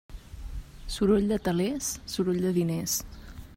Soroll de telers, soroll de diners.